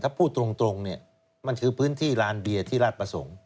ถ้าพูดตรงเนี่ยมันคือพื้นที่ลานเบียร์ที่ราชประสงค์